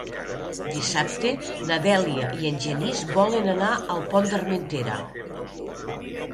Dissabte na Dèlia i en Genís volen anar al Pont d'Armentera.